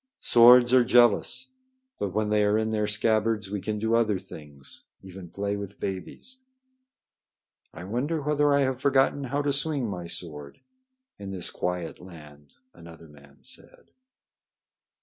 "Swords are jealous. But when they are in their scabbards, we can do other things, even play with babies." "I wonder whether I have forgotten how to swing my sword in this quiet land," another man said.